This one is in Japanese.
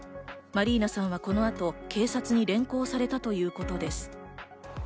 マリーナさんはこの後、警察に連行されたということです。